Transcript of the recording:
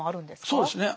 そうですね